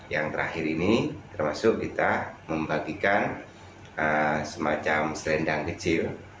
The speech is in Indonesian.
yang terakhir ini termasuk kita membagikan semacam selendang kecil